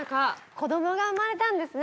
こどもが生まれたんですね。